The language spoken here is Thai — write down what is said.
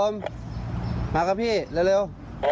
มากับพี่เร็ว